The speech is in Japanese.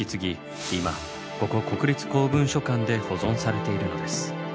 今ここ国立公文書館で保存されているのです。